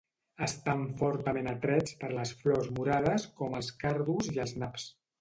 Estan fortament atrets per les flors morades com els cardos i els naps.